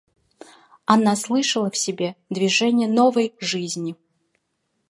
Она слышала в себе движение новой жизни.